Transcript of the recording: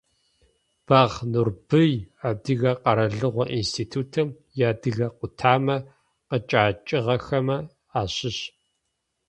Бэгъ Нурбый, Адыгэ къэралыгъо институтым иадыгэ къутамэ къычӏэкӏыгъэхэмэ ащыщ.